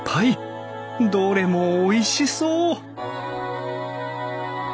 どれもおいしそう！